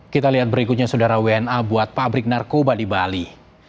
kita lihat berikutnya saudara wna buat pabrik narkoba di bali